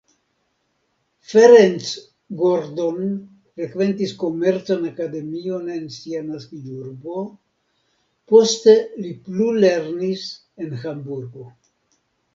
Ferenc Gordon frekventis komercan akademion en sia naskiĝurbo, poste li plulernis en Hamburgo.